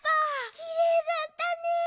きれいだったね！